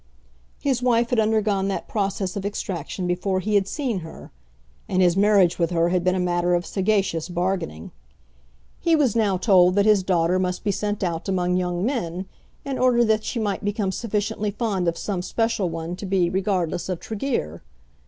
His wife had undergone that process of extraction before he had seen her, and his marriage with her had been a matter of sagacious bargaining. He was now told that his daughter must be sent out among young men in order that she might become sufficiently fond of some special one to be regardless of Tregear.